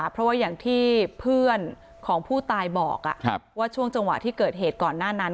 เพราะว่าอย่างที่เพื่อนของผู้ตายบอกว่าช่วงจังหวะที่เกิดเหตุก่อนหน้านั้น